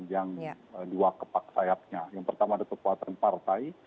yang dua kepaksayapnya yang pertama ada kekuatan partai